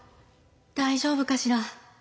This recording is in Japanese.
大丈夫かしら。